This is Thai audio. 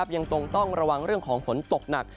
ยังคงต้องระวังเรื่องของฝนตกหนัก